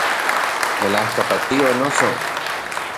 Melajka patio, noso